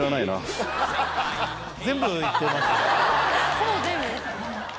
ほぼ全部ですね。